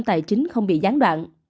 tài chính không bị gián đoạn